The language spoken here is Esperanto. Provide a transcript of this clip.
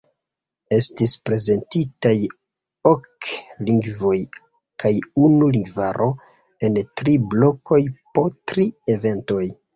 Estis prezentitaj ok lingvoj kaj unu lingvaro en tri blokoj po tri eventoj.